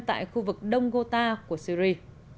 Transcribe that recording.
tại khu vực đông gota của syri